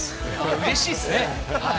うれしいっすね。